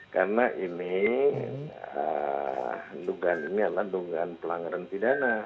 karena ini dugaan ini adalah dugaan pelanggaran pidana